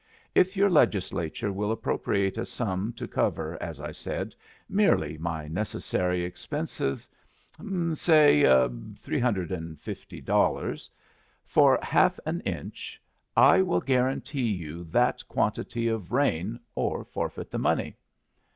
If your Legislature will appropriate a sum to cover, as I said, merely my necessary expenses say $350 (three hundred and fifty dollars) for half an inch I will guarantee you that quantity of rain or forfeit the money.